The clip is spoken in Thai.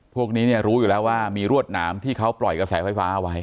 พวกนี้เนี่ยรู้อยู่แล้วว่ามีรวดหนามที่เขาปล่อยกระแสไฟฟ้าเอาไว้